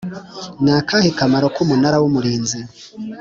Nakahe kamaro k’umunara w’umurinzi